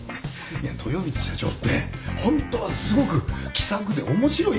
いや豊光社長ってホントはすごく気さくで面白い人なんですよ。